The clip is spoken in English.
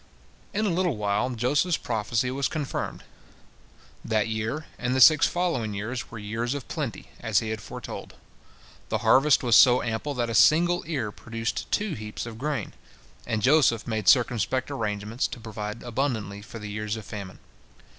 In a little while Joseph's prophecy was confirmed: that year and the six following years were years of plenty, as he had foretold. The harvest was so ample that a single ear produced two heaps of grain, and Joseph made circumspect arrangements to provide abundantly for the years of famine.